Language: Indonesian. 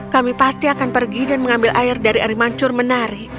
kami pasti akan pergi dan mengambil air dari air mancur menari